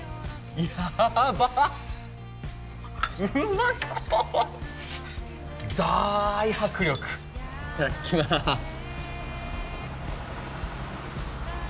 いただきまーす！